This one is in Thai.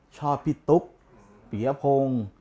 ชอบพี่ตุ๊กปียพงศ์